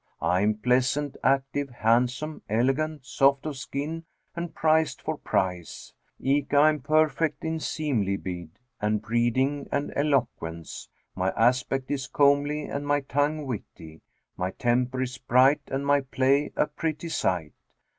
I am pleasant, active, handsome, elegant, soft of skin and prized for price: eke I am perfect in seemlibead and breeding and eloquence; my aspect is comely and my tongue witty; my temper is bright and my play a pretty sight.